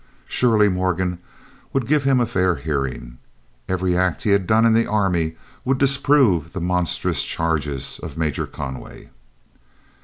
Surely Morgan would give him a fair hearing. Every act he had done in the army would disprove the monstrous charges of Major Conway.